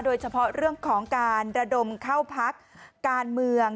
โดยเฉพาะเรื่องของการระดมเข้าพักการเมือง